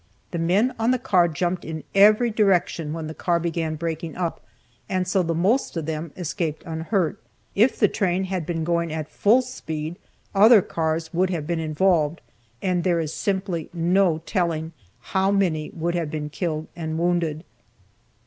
The men on the car jumped in every direction when the car began breaking up, and so the most of them escaped unhurt. If the train had been going at full speed, other cars would have been involved, and there is simply no telling how many would then have been killed and wounded.